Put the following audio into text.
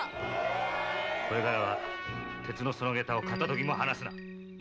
これからは、鉄のそのげたを片ときも離すな。